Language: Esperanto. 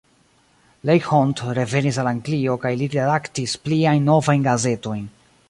Leigh Hunt revenis al Anglio kie li redaktis pliajn novajn gazetojn.